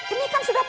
ini kan sudah telat